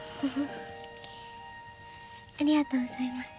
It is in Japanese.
ありがとうございます。